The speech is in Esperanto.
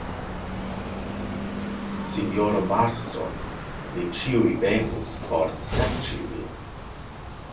Sinjoro Marston, ni ĉiuj venis por serĉi vin.